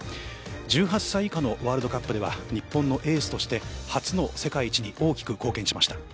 １８歳以下のワールドカップでは日本のエースとして初の世界一に大きく貢献しました。